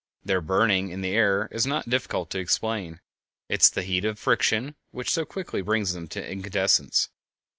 Their burning in the air is not difficult to explain; it is the heat of friction which so quickly brings them to incandescence.